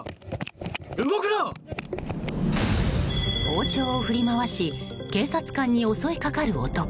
包丁を振り回し警察官に襲いかかる男。